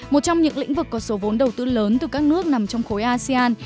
một trong những lĩnh vực có số vốn đầu tư lớn từ các nước nằm trong khối asean